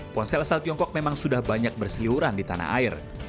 ponsel asal tiongkok memang sudah banyak berseliuran di tanah air